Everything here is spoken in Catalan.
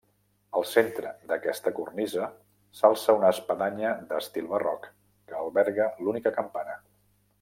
Al centre d'aquesta cornisa s'alça una espadanya d'estil barroc que alberga l'única campana.